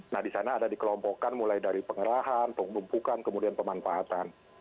nah di sana ada dikelompokkan mulai dari pengerahan pengumpukan kemudian pemanfaatan